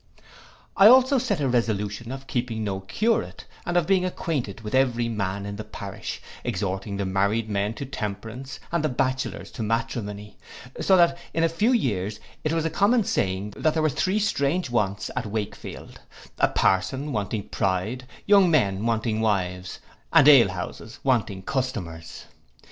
I also set a resolution of keeping no curate, and of being acquainted with every man in the parish, exhorting the married men to temperance and the bachelors to matrimony; so that in a few years it was a common saying, that there were three strange wants at Wakefield, a parson wanting pride, young men wanting wives, and ale houses wanting customers.